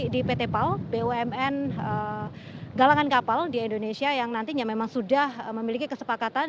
di pt pal bumn galangan kapal di indonesia yang nantinya memang sudah memiliki kesepakatan